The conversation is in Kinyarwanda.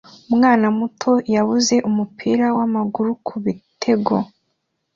Umwana muto yabuze umupira wamaguru kubitego